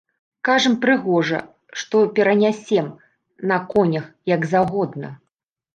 Кажам прыгожа, што перанясем, на конях, як заўгодна.